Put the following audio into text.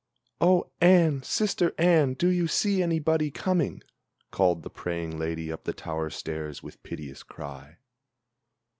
"Oh, Anne, sister Anne, do you see anybody coming?" Called the praying lady up the tower stairs with piteous cry.